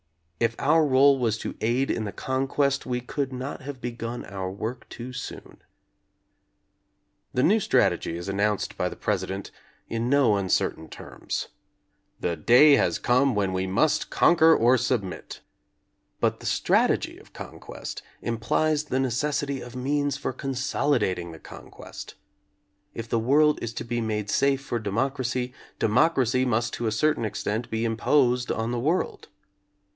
If our role was to aid in conquest, we could not have begun our work too soon. The new strategy is announced by the President in no uncertain terms — "The day has come when we must conquer or submit." But the strategy of conquest implies the necessity of means for con solidating the conquest. If the world is to be made safe for democracy, democracy must to a certain extent be imposed on the world.